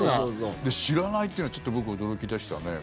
知らないってのはちょっと僕、驚きでしたね。